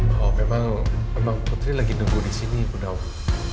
oh memang putri lagi nunggu disini ibu dawang